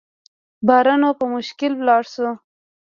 برونو په مشکل ولاړ شو.